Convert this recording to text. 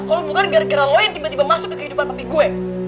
kalau bukan gara gara lo yang tiba tiba masuk ke kehidupan papi gue